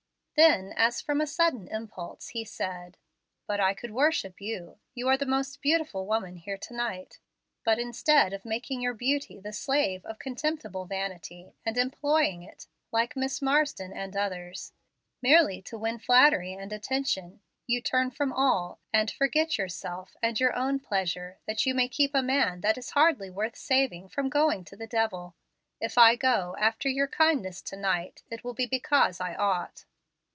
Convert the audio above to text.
Then, as from a sudden impulse, he said, "But I could worship you. You are the most beautiful woman here tonight, but instead of making your beauty the slave of contemptible vanity, and employing it, like Miss Marsden and others, merely to win flattery and attention, you turn from all, and forget yourself and your own pleasure, that you may keep a man that is hardly worth saving from going to the devil. If I go, after your kindness to night, it will be because I ought."